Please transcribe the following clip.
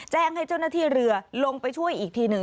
แจ้งให้เจ้าหน้าที่เรือลงไปช่วยอีกทีหนึ่ง